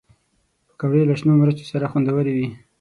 پکورې له شنو مرچو سره خوندورې وي